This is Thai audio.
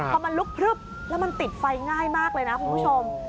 พอมันลุกพลึบแล้วมันติดไฟง่ายมากเลยนะคุณผู้ชม